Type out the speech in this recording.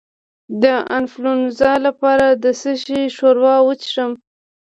د انفلونزا لپاره د څه شي ښوروا وڅښم؟